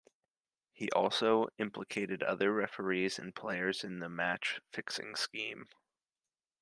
He also implicated other referees and players in the match fixing scheme.